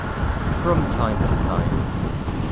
From time to time.